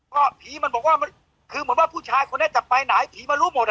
ก็ผีนมันบอกว่าคือนียมเปล่าน่าจะไปไหนผีมันรู้หมดอ่ะ